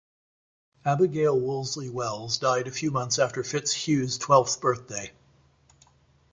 Abigail Woolsey Wells died a few months after Fitz Hugh's twelfth birthday.